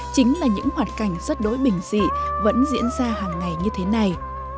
chính là những hoạt cảnh rất đối bình dị vẫn diễn ra hàng ngày như thế này